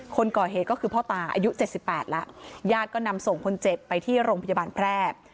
คนก่อเหตุก็คือพ่อตาอายุ๗๘แล้วญาติก็นำส่งคนเจ็บไปที่โรงพยาบาลแพร่